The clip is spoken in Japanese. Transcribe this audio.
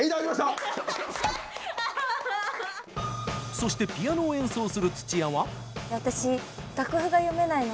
そしてピアノを演奏する土屋は。